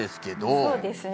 そうですね。